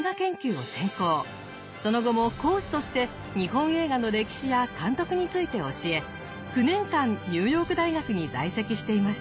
その後も講師として日本映画の歴史や監督について教え９年間ニューヨーク大学に在籍していました。